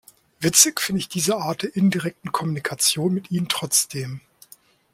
Witzig finde ich diese Art der indirekten Kommunikation mit Ihnen trotzdem!